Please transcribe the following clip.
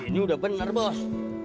ini udah bener bos